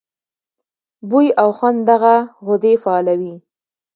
بوۍ او خوند دغه غدې فعالوي.